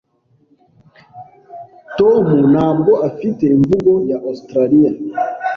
Tom ntabwo afite imvugo ya Australiya.